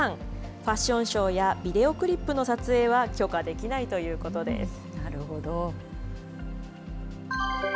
ファッションショーやビデオクリップの撮影は許可できないというなるほど。